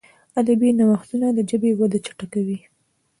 ادبي نوښتونه د ژبي وده چټکوي.